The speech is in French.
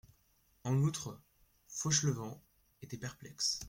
En outre, Fauchelevent était perplexe.